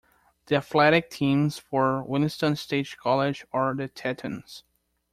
The athletic teams for Williston State College are the Tetons.